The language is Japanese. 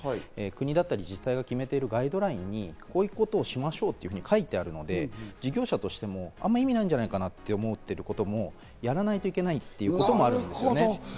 国や自治体が決めているガイドラインにこういうことをしましょうと書いてあるので、事業者としてもあまり意味ないんじゃないかなと思っていることもやらないといけないということもあるんですね。